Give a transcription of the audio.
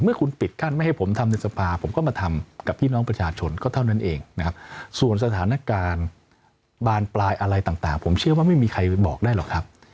เมื่อคุณปิดกั้นไม่ให้ผมทำในสภาผมก็มาทำกับพี่น้องประชาชนก็เท่านั้นเองนะครับส่วนสถานการณ์บานปลายอะไรต่างผมเชื่อว่าไม่มีใครไปบอกได้หรอกครับ